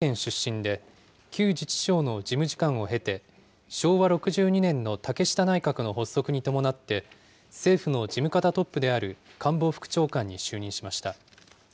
石原氏は群馬県出身で、旧自治省の事務次官を経て、昭和６２年の竹下内閣の発足に伴って、政府の事務方トップである官房副長官に就任しました。